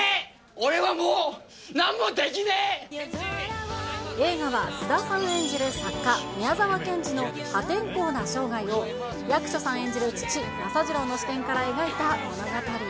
俺はもうなんもで映画は菅田さん演じる作家、宮沢賢治の破天荒な生涯を、役所さん演じる父、政次郎の視点から描いた物語。